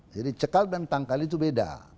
cekal dan tangkal itu beda